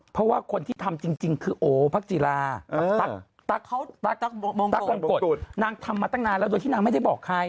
เพราะว่าคนที่ทำจริงคือโอพักจีรากับตั๊กวงกฎนางทำมาตั้งนานแล้วโดยที่นางไม่ได้บอกใคร